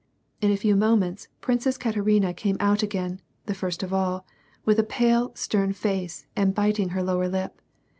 In a few moments. Princess Katerina came out again, the first of all, with a pale, stern face, and biting her lower lip.